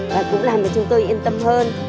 và cũng làm cho chúng tôi yên tâm hơn